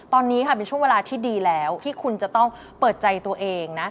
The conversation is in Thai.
ตอนนี้ค่ะเป็นช่วงเวลาที่ดีแล้วที่คุณจะต้องเปิดใจตัวเองนะ